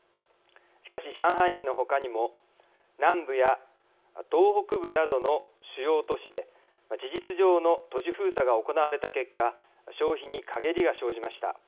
しかし、上海市のほかにも南部や東北部などの主要都市で事実上の都市封鎖が行われた結果消費にかげりが生じました。